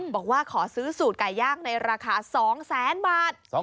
บอกว่าขอซื้อสูตรไก่ย่างในราคา๒๐๐๐๐บาท